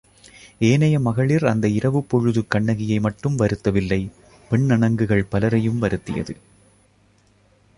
ஏனைய மகளிர் அந்த இரவுப்பொழுது கண்ணகியை மட்டும் வருத்தவில்லை பெண்ணணங்குகள் பலரையும் வருத்தியது.